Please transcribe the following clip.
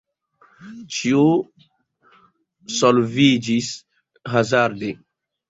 Ĉio solviĝis hazarde.